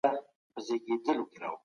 عادت او دود د خلګو د کنټرول وسیله ده.